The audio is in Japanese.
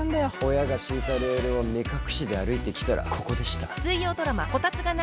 親が敷いたレールを目隠しで歩いてきたらここでした。